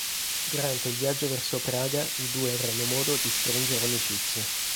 Durante il viaggio verso Praga, i due avranno modo di stringere amicizia.